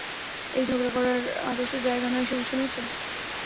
এটা ঝগড়া করার আদর্শ জায়গা নয়, শুনেছো?